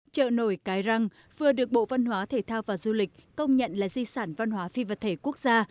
chợ nổi cái răng vừa được bộ văn hóa thể thao và du lịch công nhận là di sản văn hóa phi vật thể quốc gia